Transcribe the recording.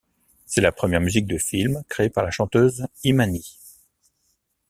C'est la première musique de film créée par la chanteuse Imany.